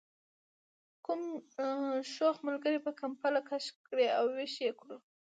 کوم شوخ ملګري به کمپله کش کړې او ویښ یې کړو.